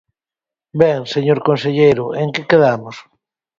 Ben, señor conselleiro, ¿en que quedamos?